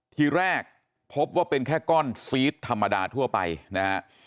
ทีแรกพบว่าเป็นแค่ก้อนซีสธรรมดาทั่วไปนะฮะ